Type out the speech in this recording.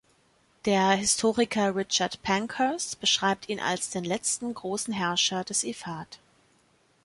Der Historiker Richard Pankhurst beschreibt ihn als den letzten großen Herrscher des Ifat.